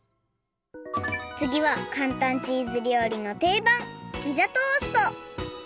つぎはかんたんチーズ料理のていばんピザトースト！